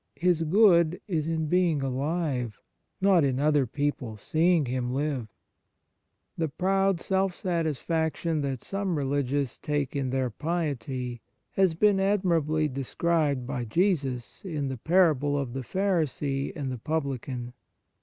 His good is in being alive, not in other people seeing him live. The proud self satisfaction that some religious take in their piety has been admirably described by Jesus in the parable of the Pharisee and the Publican.